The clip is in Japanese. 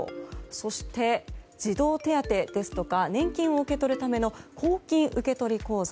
そして、児童手当ですとか年金を受け取るための公金受取口座。